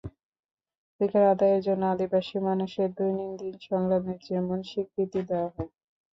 অধিকার আদায়ের জন্য আদিবাসী মানুষের দৈনন্দিন সংগ্রামকে যেমন স্বীকৃতি দেওয়া হয়।